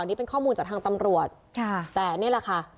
นี่เป็นข้อมูลจากทางตำรวจค่ะแต่นี่แหละค่ะ